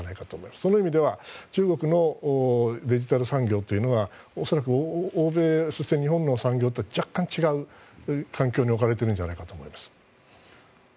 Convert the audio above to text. その意味では中国のデジタル産業は恐らく欧米そして日本の産業とは若干違う環境に置かれているんじゃないかと思います。